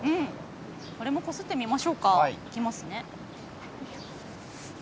これもこすってみましょうか。